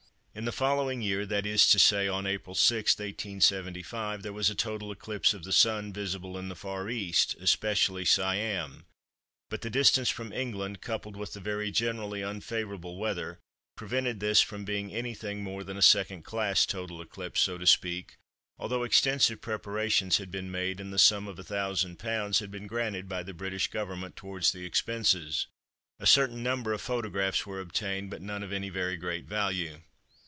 In the following year, that is to say on April 6, 1875, there was a total eclipse of the Sun, visible in the far East, especially Siam; but the distance from England, coupled with the very generally unfavourable weather, prevented this from being anything more than a second class total eclipse, so to speak, although extensive preparations had been made, and the sum of £1000 had been granted by the British Government towards the expenses. A certain number of photographs were obtained, but none of any very great value.